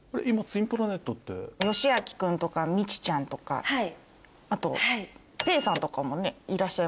よしあき君とかミチちゃんとかあとぺえさんとかもいらっしゃいますよね。